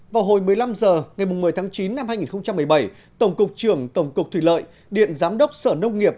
vào hồi một mươi năm h ngày một mươi tháng chín năm hai nghìn một mươi bảy tổng cục trưởng tổng cục thủy lợi điện giám đốc sở nông nghiệp